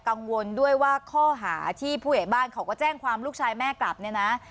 กังวลด้วยว่าข้อหาที่ผู้ใหญ่บ้านเขาก็แจ้งความลูกชายแม่กลับเนี่ยนะ